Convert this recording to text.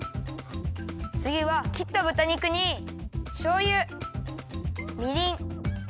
つぎはきったぶた肉にしょうゆみりん